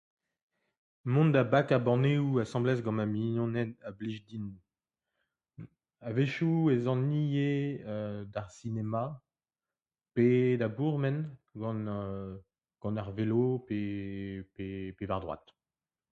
Mont da bakañ banneoù asambles gant ma mignoned a blij din. A wechoù ez an ivez [eeu] d'ar sinema pe da bourmen gant [eeu] gant ar velo pe [pe pe] war-droad.